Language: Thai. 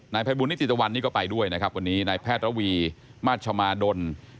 นายพระบุณิติตวันนี้ก็ไปด้วยนะครับนายแพทยวีมาชมาดน